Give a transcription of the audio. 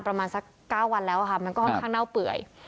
ประมาณสัก๙วันแล้วค่ะมันก็ค่อนข้างเน่าเปื่อย